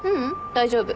大丈夫。